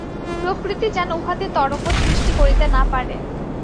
প্রকৃতি যেন উহাতে তরঙ্গ সৃষ্টি করিতে না পারে।